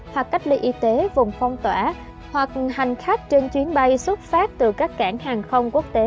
hoặc cách ly y tế vùng phong tỏa hoặc hành khách trên chuyến bay xuất phát từ các cảng hàng không quốc tế